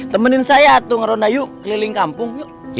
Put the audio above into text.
temenin saya ngeronda yuk keliling kampung